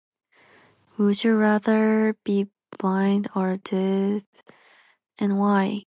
Would you rather be blind or to... and why?